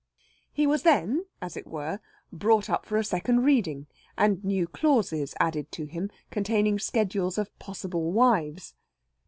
He was then, as it were, brought up for a second reading, and new clauses added to him containing schedules of possible wives.